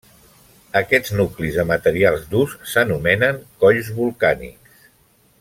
Aquests nuclis de materials durs s'anomenen colls volcànics.